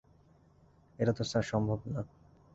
এটা তো স্যার সম্ভব না।